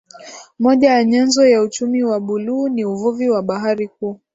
Moja ya nyenzo ya uchumi wa buluu ni uvuvi wa bahari kuu